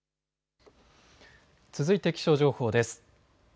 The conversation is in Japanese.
続いて気象情報です。